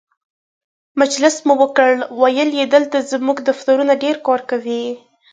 مجلس مو وکړ، ویل یې دلته زموږ دفترونه ډېر کار کوي.